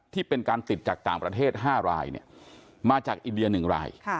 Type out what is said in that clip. ที่เป็นการติดจากต่างประเทศ๕รายมาจากอินเดีย๑ราย